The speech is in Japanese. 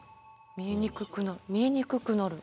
見えにくくなる見えにくくなる。